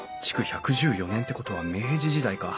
築１１４年ってことは明治時代か。